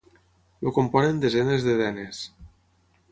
El componen desenes de denes.